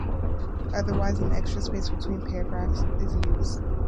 Otherwise, an extra space between paragraphs is used.